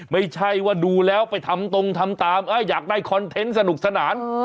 ไม่ใช่ว่าดูแล้วไปทำตรงทำตามอยากได้คอนเทนต์สนุกสนาน